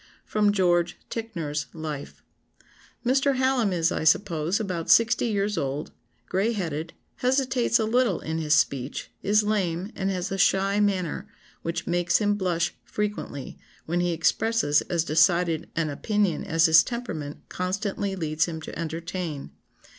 [Sidenote: George Ticknor's Life.] "Mr. Hallam is, I suppose, about sixty years old, gray headed, hesitates a little in his speech, is lame, and has a shy manner which makes him blush frequently, when he expresses as decided an opinion as his temperament constantly leads him to entertain.